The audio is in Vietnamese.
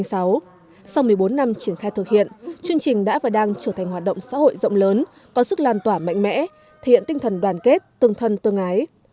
sau một mươi bốn năm triển khai thực hiện chương trình đã và đang trở thành hoạt động xã hội rộng lớn có sức lan tỏa mạnh mẽ thể hiện tinh thần đoàn kết tương thân tương ái